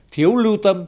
thiếu lưu tâm